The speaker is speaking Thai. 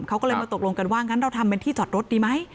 เขาก็เลยมาตกลงกันว่างั้นเราทำเป็นที่จอดรถดีไหม